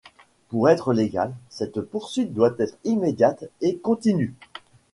Pour être légale, cette poursuite doit être immédiate et continue.